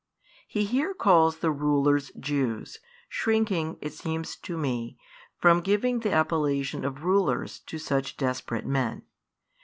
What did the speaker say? He here calls the rulers Jews, shrinking, it seems to me, from giving the appellation of rulers to such desperate men.